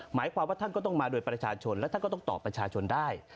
หมายความว่าท่านก็ต้องมาโดยประชาชนและท่านก็ต้องตอบประชาชนได้